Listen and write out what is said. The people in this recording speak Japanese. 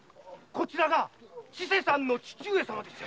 こちらが千勢さんの父上様ですよ。